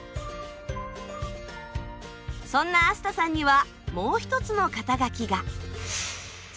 そんなアスタさんにはもう一つの肩書が！